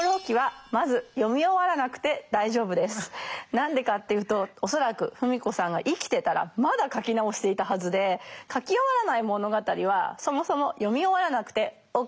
何でかっていうと恐らく芙美子さんが生きてたらまだ書き直していたはずで書き終わらない物語はそもそも読み終わらなくてＯＫです。